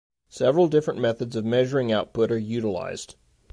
Several different methods of measuring output are utilized.